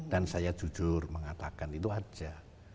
dan saya jujur mengatakan itu aja